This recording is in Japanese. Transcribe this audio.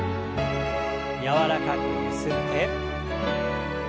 柔らかくゆすって。